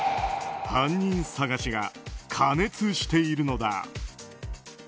犯人捜しが過熱しているのだ。